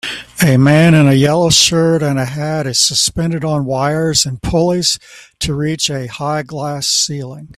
A man in a yellow shirt and hat is suspended on wires and pulleys to reach a high glass ceiling